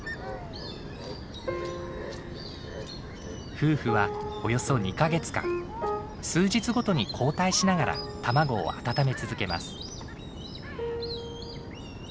夫婦はおよそ２か月間数日ごとに交代しながら卵を温め続けます。